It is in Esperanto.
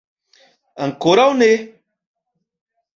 Ankoraŭ ne.